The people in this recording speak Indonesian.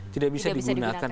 tidak bisa digunakan